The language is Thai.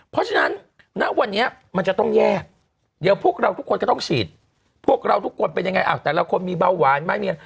เพราะฉะนั้นณวันนี้มันจะต้องแยกเดี๋ยวพวกเราทุกคนก็ต้องฉีดพวกเราทุกคนเป็นยังไงแต่ละคนมีเบาหวานไหมมีอะไร